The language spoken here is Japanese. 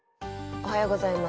おはようございます。